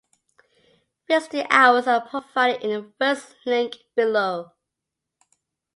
Visiting hours are provided in the first link below.